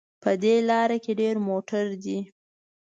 په دې لاره کې ډېر موټر دي